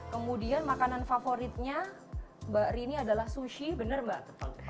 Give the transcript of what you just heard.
kemudian makanan favoritnya mbak rini adalah sushi benar mbak